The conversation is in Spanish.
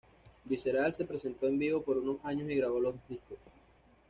Visceral se presentó en vivo por unos años y grabó dos discos.